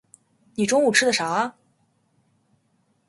你中午吃的啥啊？